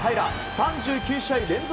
３９試合連続